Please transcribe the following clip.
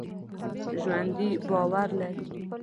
ژوندي باور لري